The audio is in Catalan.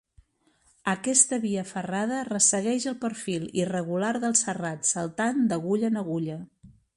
Aquesta via ferrada ressegueix el perfil irregular del serrat, saltant d'agulla en agulla.